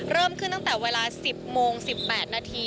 เริ่มขึ้นตั้งแต่เวลา๑๐โมง๑๘นาที